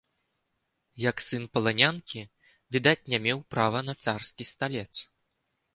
Як сын паланянкі, відаць, не меў права на царскі сталец.